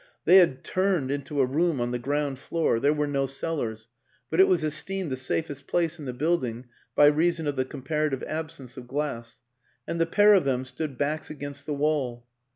They had turned 270 WILLIAM AN ENGLISHMAN into a room on the ground floor there were no cellars, but it was esteemed the safest place in the building by reason of the comparative absence of glass and the pair of them stood backs against the wall.